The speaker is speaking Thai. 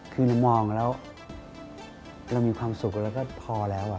คือเรามองแล้วเรามีความสุขแล้วก็พอแล้ว